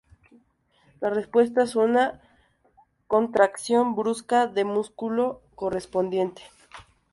La respuesta es una contracción brusca del músculo correspondiente.